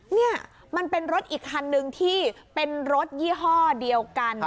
นี่มันเป็นรถอีกคันนึงที่เป็นรถยี่ห้อเดียวกัน